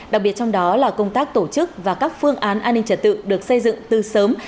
đặc biệt trong đó là công tác tổ chức và các phương án an ninh trật tự được xây dựng từ sớm